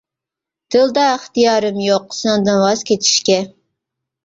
دىلدا ئىختىيارىم يوق، سېنىڭدىن ۋاز كېچىشكە.